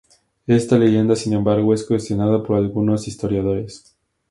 Esta leyenda, sin embargo, es cuestionada por algunos historiadores.